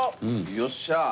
よっしゃー。